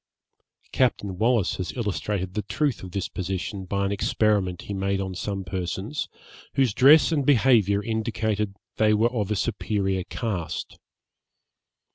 Captain Wallis has illustrated the truth of this position by an experiment he made on some persons, whose dress and behaviour indicated that they were of a superior cast.